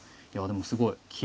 いやでもすごい。